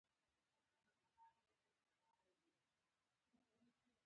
د افغانستان کروندې حاصلخیزه دي